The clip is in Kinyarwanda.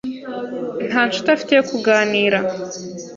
Nta nshuti afite yo kuganira.